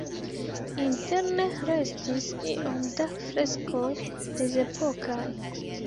Interne restis iom da freskoj mezepokaj.